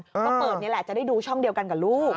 ก็เปิดนี่แหละจะได้ดูช่องเดียวกันกับลูก